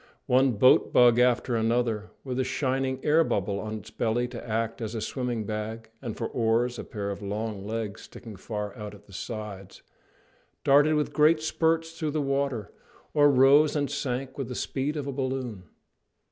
One boat bug after another, with a shining air bubble on its belly to act as a swimming bag, and for oars a pair of long legs sticking far out at the sides, darted with great spurts through the water, or rose and sank with the speed of a balloon.